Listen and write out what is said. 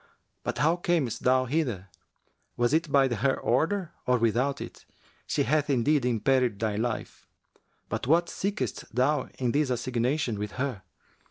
But how camest thou hither? Was it by her order or without it? She hath indeed imperilled thy life[FN#361]. But what seekest thou in this assignation with her?'